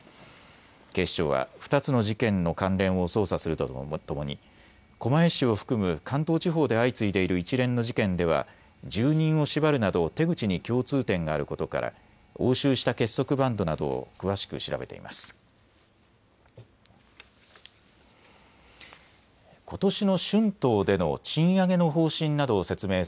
警視庁は２つの事件の関連を捜査するとともに狛江市を含む関東地方で相次いでいる一連の事件では住人を縛るなど手口に共通点があることから押収した結束バンドなどを詳しく調べています。